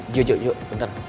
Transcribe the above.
jok jok bentar